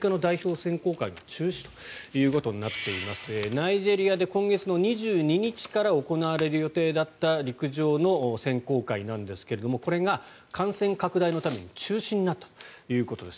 ナイジェリアで今月２２日から行われる予定だった陸上の選考会なんですがこれが感染拡大のために中止になったということです。